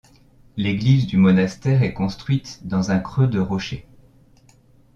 L'église du monastère est construite dans un creux de rocher.